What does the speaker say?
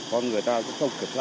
con người ta cũng không kiểm tra